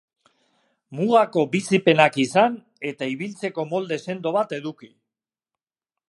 Mugako bizipenak izan, eta ibiltzeko molde sendo bat eduki.